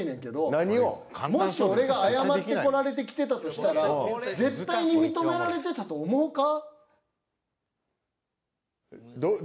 もし俺が謝ってこられてきてたとしたら絶対に認められてたと思うか。